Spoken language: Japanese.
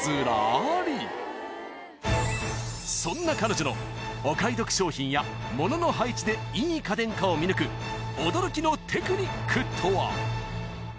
［そんな彼女のお買い得商品や物の配置でいい家電かを見抜く驚きのテクニックとは？］